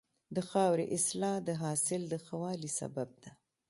د خاورې اصلاح د حاصل د ښه والي سبب ده.